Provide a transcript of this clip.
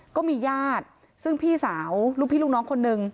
ก็มีญาติซึ่งพี่สาวลูกพี่ลูกน้องคนนึง